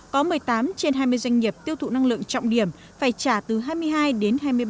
có một mươi tám trên hai mươi doanh nghiệp tiêu thụ năng lượng trọng điểm phải trả từ hai mươi hai đến hai mươi ba